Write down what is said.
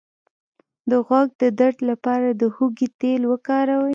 د غوږ د درد لپاره د هوږې تېل وکاروئ